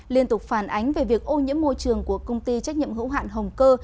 liên tục phản ánh về việc ô nhiễm môi trường của công ty trách nhiệm hữu hạn hồng cơ